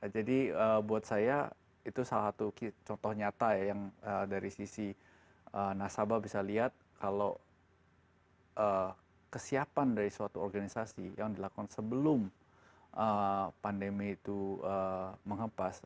jadi buat saya itu salah satu contoh nyata ya yang dari sisi nasabah bisa lihat kalau kesiapan dari suatu organisasi yang dilakukan sebelum pandemi itu mengepas